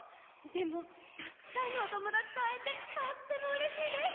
でもたくさんのおともだちとあえてとってもうれしいです！